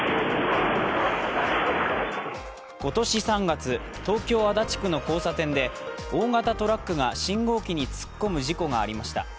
今年３月、東京・足立区の交差点で大型トラックが信号機に突っ込む事故がありました。